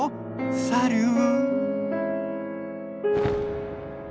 サリュー！